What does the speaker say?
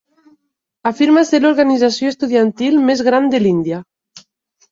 Afirma ser l'organització estudiantil més gran de l'Índia.